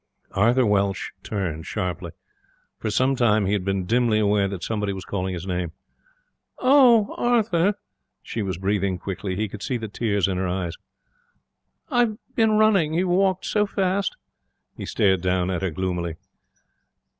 Arthur Welsh turned sharply. For some time he had been dimly aware that somebody was calling his name. 'Oh, Arthur!' She was breathing quickly. He could see the tears in her eyes. 'I've been running. You walked so fast.' He stared down at her gloomily.